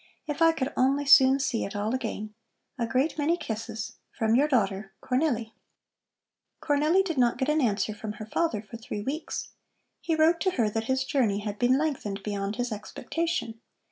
If I could only soon see it all again! A great many kisses, from your daughter, CORNELLI. Cornelli did not get an answer from her father for three weeks. He wrote to her that his journey had been lengthened beyond his expectation.